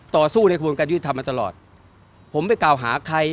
ต่อสู้ในกระบวนการยุทธธรรมมาตลอดผมไปกล่าวหาใคร